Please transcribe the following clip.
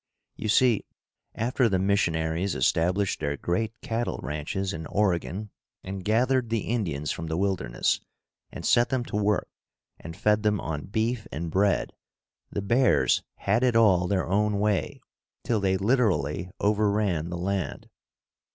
You see, after the missionaries established their great cattle ranches in Oregon and gathered the Indians from the wilderness and set them to work and fed them on beef and bread, the bears had it all their own way, till they literally overran the land.